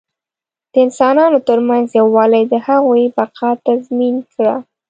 د انسانانو تر منځ یووالي د هغوی بقا تضمین کړه.